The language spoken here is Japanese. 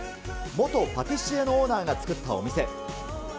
元パティシエのオーナーが作ったお店。